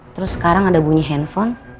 cuma ada bunyi handphone